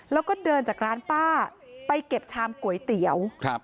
แล้วก็เดินจากร้านป้าไปเก็บชามก๋วยเตี๋ยวครับ